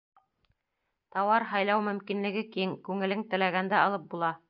Тауар һайлау мөмкинлеге киң — күңелең теләгәнде алып була.